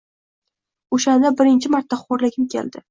O‘shanda birinchi marta xo‘rligim keldi.